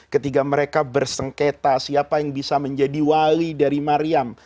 ketika mereka bersengketa siapa yang bisa menjadi wali dari mariam